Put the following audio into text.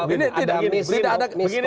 ini tidak ada